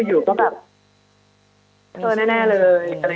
อื้อแล้วก็อยู่ก็แบบ